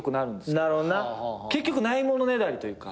結局ないものねだりというか。